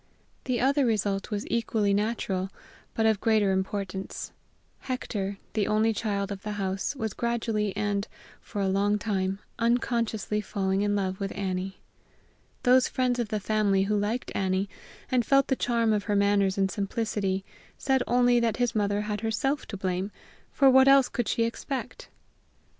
The other result was equally natural, but of greater importance; Hector, the only child of the house, was gradually and, for a long time, unconsciously falling in love with Annie. Those friends of the family who liked Annie, and felt the charm of her manners and simplicity, said only that his mother had herself to blame, for what else could she expect?